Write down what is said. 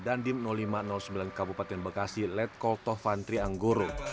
dandim lima ratus sembilan kabupaten bekasi letkotofantri anggoro